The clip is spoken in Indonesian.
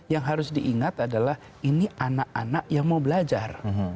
yang harus diingat adalah ini anak anak yang mau belajar